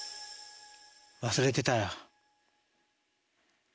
忘れてたよ